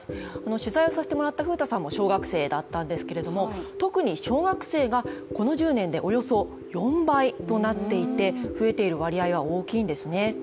取材をさせてもらった楓太さんも小学生だったんですけれども特に小学生がこの１０年でおよそ４倍となっていて増えている割合は大きいんですね。